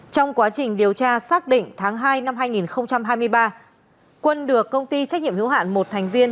trong quá trình điều tra xác định tháng hai năm hai nghìn hai mươi ba quân được công ty trách nhiệm hữu hạn một thành viên